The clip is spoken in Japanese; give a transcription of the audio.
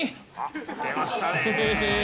出ましたね！